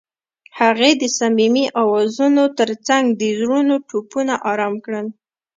هغې د صمیمي اوازونو ترڅنګ د زړونو ټپونه آرام کړل.